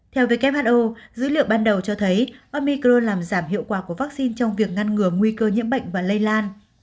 theo who dữ liệu ban đầu cho thấy omicro làm giảm hiệu quả của vaccine trong việc ngăn ngừa nguy cơ nhiễm bệnh và lây lan